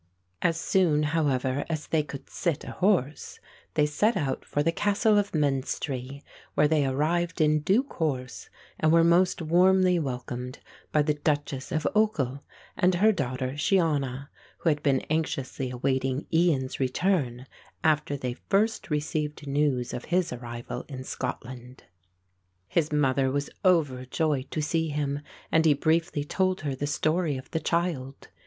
As soon, however, as they could sit a horse they set out for the Castle of Menstrie, where they arrived in due course and were most warmly welcomed by the Duchess of Ochil and her daughter Shiona, who had been anxiously awaiting Ian's return after they first received news of his arrival in Scotland. His mother was overjoyed to see him and he briefly told her the story of the child.